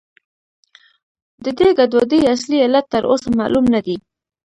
د دې ګډوډۍ اصلي علت تر اوسه معلوم نه دی.